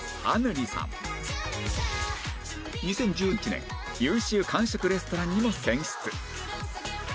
２０１１年優秀韓食レストランにも選出